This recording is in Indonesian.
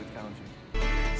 negara yang bagus